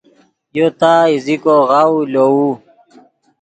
یو تا ایزیکو غاؤو لووے